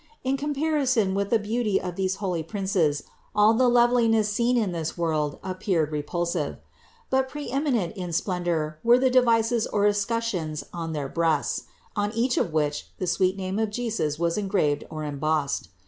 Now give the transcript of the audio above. In comparison with the beauty of these holy princes all the loveliness seen in this world appeared repulsive. But pre eminent in splendor were the devices or escutcheons on their breasts, on each of which the sweet name of Jesus was engraved or embossed.